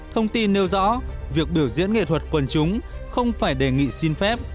thông tin nêu rõ việc biểu diễn nghệ thuật quần chúng không phải đề nghị xin phép